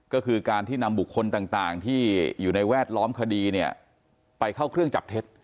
ก็คือการที่นำบุคคลต่างที่อยู่ในแวดล้อมคดีเนี่ยไปเข้าเครื่องจับเท็จ